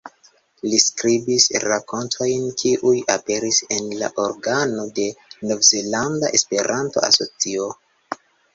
Li skribis rakontojn kiuj aperis en la organo de Novzelanda Esperanto-Asocio.